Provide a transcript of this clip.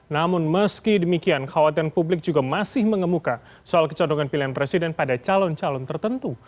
namun meski demikian khawatiran publik juga masih mengemuka soal kecondongan pilihan presiden pada calon calon tertentu